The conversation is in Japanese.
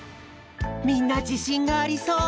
みんなじしんがありそう。